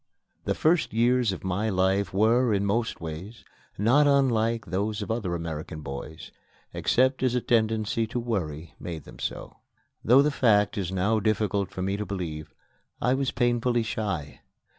The first years of my life were, in most ways, not unlike those of other American boys, except as a tendency to worry made them so. Though the fact is now difficult for me to believe, I was painfully shy.